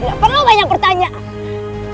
tidak perlu banyak pertanyaan